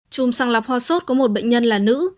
chùm sàng lọc ho sốt có một bệnh nhân là nữ